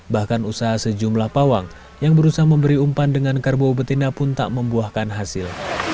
bahkan usaha sejumlah pawang yang berusaha memberi umpan dengan kerbau betina pun tak membuahkan hasil